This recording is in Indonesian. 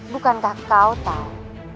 bukankah kau tahu